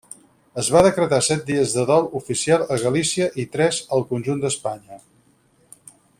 Es van decretar set dies de dol oficial a Galícia i tres, al conjunt d'Espanya.